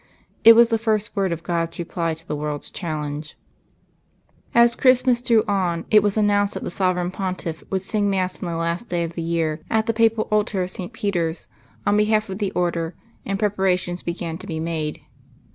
It was the first word of God's reply to the world's challenge. As Christmas drew on it was announced that the Sovereign pontiff would sing mass on the last day of the year, at the papal altar of Saint Peter's, on behalf of the Order; and preparations began to be made.